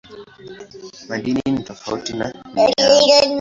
Madini ni tofauti na miamba.